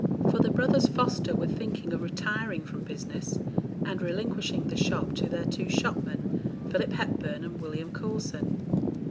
For the brothers Foster were thinking of retiring from business, and relinquishing the shop to their two shopmen, Philip Hepburn and William Coulson.